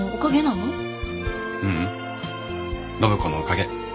暢子のおかげ。